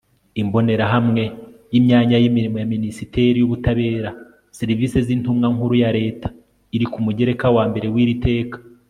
imbonerahamwe y'imyanya y'imirimo ya minisiteri y'ubutabera/serivisi z'intumwa nkuru ya leta iri ku mugereka wa mbere w'iri teka